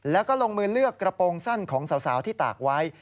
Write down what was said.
แล้วก็ลงมือเลือกกระโปรงสั้นของสาวที่ตากไว้